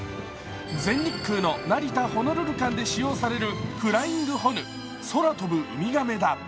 全日空の成田−ホノルル間で使用するラニ、空飛ぶウミガメだ。